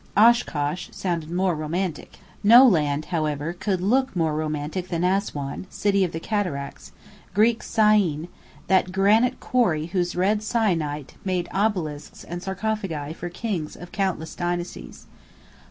Oshkosh sounded more romantic. No land, however, could look more romantic than Assuan, City of the Cataracts, Greek Syene, that granite quarry whose red syenite made obelisks and sarcophagi for kings of countless dynasties.